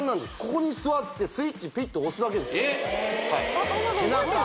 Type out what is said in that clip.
ここに座ってスイッチピッと押すだけです背中